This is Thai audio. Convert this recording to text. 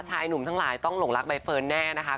ชายหนุ่มทั้งหลายต้องหลงรักใบเฟิร์นแน่นะคะ